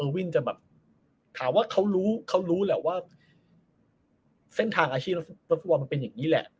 เออวินจะแบบถามว่าเขารู้แหละว่าเส้นทางอาชีพมันเป็นอย่างนี้แหละ